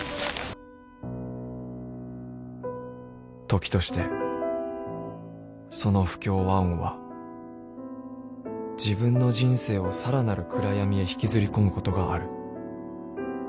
［時としてその不協和音は自分の人生をさらなる暗闇へ引きずり込むことがある］